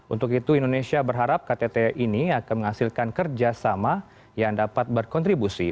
untuk itu indonesia berharap ktt ini akan menghasilkan kerjasama yang dapat berkontribusi